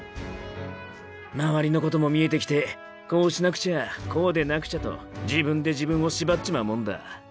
周りのことも見えてきてこうしなくちゃこうでなくちゃと自分で自分をしばっちまうもんだ。